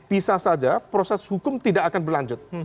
bisa saja proses hukum tidak akan berlanjut